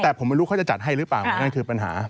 แต่ผมไม่รู้เขาจะจัดให้หรือเปล่านั่นคือปัญหา